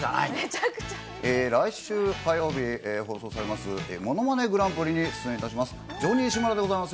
来週火曜日放送されます、ものまねグランプリに出演いたします、ジョニー志村でございます。